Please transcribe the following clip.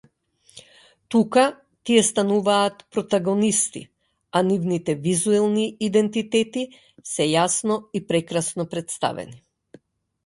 Тука тие стануваат протагонисти, а нивните визуелни идентитети се јасно и прекрасно претставени.